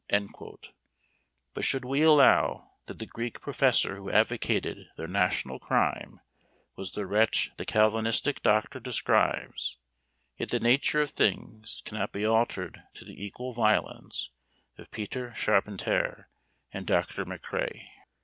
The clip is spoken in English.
But should we allow that the Greek professor who advocated their national crime was the wretch the calvinistic doctor describes, yet the nature of things cannot be altered by the equal violence of Peter Charpentier and Dr. M'Crie.